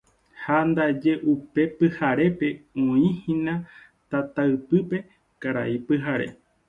Ha ndaje upe pyharépe oĩhína tataypýpe Karai Pyhare.